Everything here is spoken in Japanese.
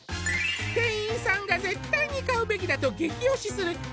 店員さんが絶対に買うべきだと激推しする